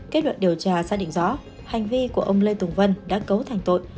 kết luận điều tra ra đỉnh rõ hành vi của ông lê tùng vân đã cấu thành tội